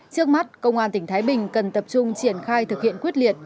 trước mắt công an tỉnh thái bình cần tập trung triển khai thực hiện quyết liệt